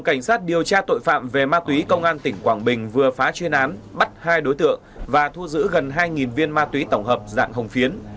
cảnh sát điều tra tội phạm về ma túy công an tp vinh vừa phá chuyên án bắt hai đối tượng và thu giữ gần hai viên ma túy tổng hợp dặn hồng phiến